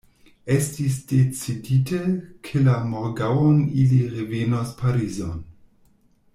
Estis decidite, ke la morgaŭon ili revenos Parizon.